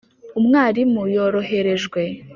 umwarimu yoroherejwe